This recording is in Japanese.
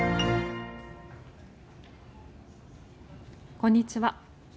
こんにちは。